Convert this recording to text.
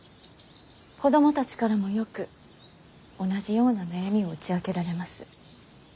子供たちからもよく同じような悩みを打ち明けられます。